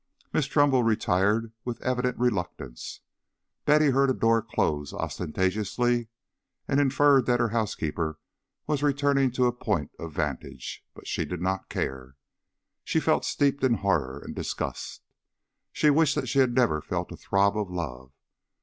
Miss Trumbull retired with evident reluctance. Betty heard a door close ostentatiously, and inferred that her housekeeper was returning to a point of vantage. But she did not care. She felt steeped in horror and disgust. She wished that she never had felt a throb of love.